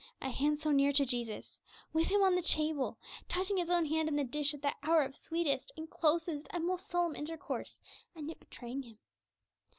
A hand so near to Jesus, with Him on the table, touching His own hand in the dish at that hour of sweetest, and closest, and most solemn intercourse, and yet betraying Him!